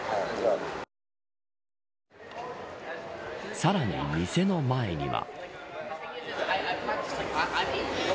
さらに店の前には。